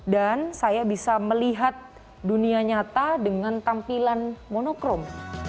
dan saya bisa melihat dunia nyata dengan tampilan monokrom